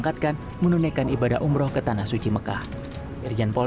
saya sudah dapat laporan dari pak kapolra